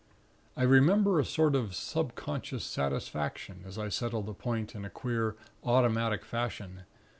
I remember a sort of subconscious satisfaction, as I settled the point in a queer automatic fashion.